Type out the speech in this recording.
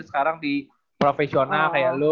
sekarang di profesional kayak lu